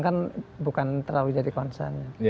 kan bukan terlalu jadi concern ya